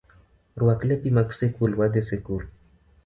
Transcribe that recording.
Rwak lepi mag sikul wadhii sikul